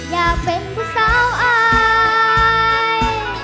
อยากเป็นผู้สาวอาย